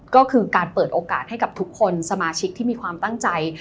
ก็คือการเปิดโอกาสให้กับทุกคนสมาชิกที่มีความตั้งใจ